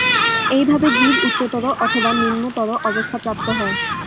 এইভাবে জীব উচ্চতর অথবা নিম্নতর অবস্থা প্রাপ্ত হয়।